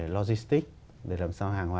logistics để làm sao hàng hóa